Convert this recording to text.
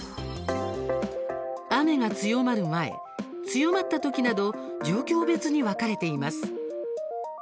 雨が強まる前、強まった時など状況別に分かれています。